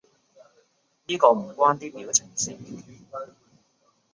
呢個唔關啲表情事